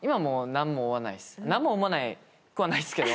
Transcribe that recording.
何も思わなくはないですけど。